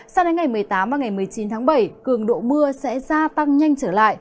sao đến ngày một mươi tám và ngày một mươi chín tháng bảy cường độ mưa sẽ gia tăng nhanh trở lại